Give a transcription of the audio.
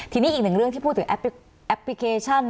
ทีนี้อีกหนึ่งเรื่องที่พูดถึงแอปพลิเคชัน